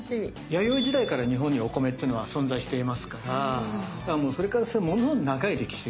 弥生時代から日本にお米ってのは存在していますからもうそれからものすごく長い歴史が。